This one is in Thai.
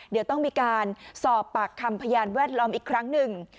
เดี๋ยวต้องมีการสอบปากคำพยานแวดล้อมอีกครั้งหนึ่ง